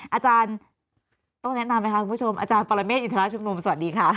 อาจารย์ต้องแนะนำนะคะคุณผู้ชมอาจารย์ปรเมฆอินทราชุมนุมสวัสดีค่ะ